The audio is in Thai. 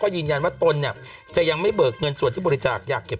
ยืนยันว่าตนเนี่ยจะยังไม่เบิกเงินส่วนที่บริจาคอยากเก็บ